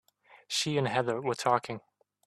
She and Heather were talking.